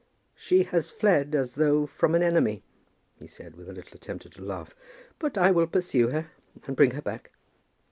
"She has fled, as though from an enemy," he said, with a little attempt at a laugh; "but I will pursue her, and bring her back."